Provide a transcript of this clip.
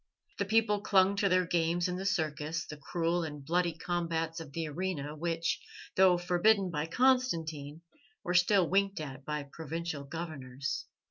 The people clung to their games in the circus, the cruel and bloody combats of the arena, which, though forbidden by Constantine, were still winked at by provincial governors.